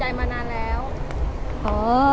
อเรนนี่แย่งพี่หนึ่งในใจ